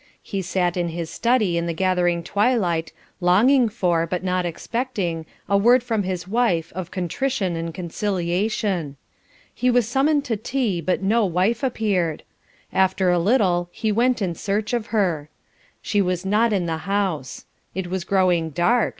He sat in his study in the gathering twilight longing for, but not expecting, a word from his wife of contrition and conciliation. He was summoned to tea, but no wife appeared. After a little he went in search of her. She was not in the house. It was growing dark.